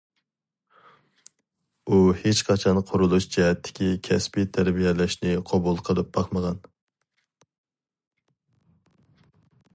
ئۇ ھېچقاچان قۇرۇلۇش جەھەتتىكى كەسپىي تەربىيەلەشنى قوبۇل قىلىپ باقمىغان.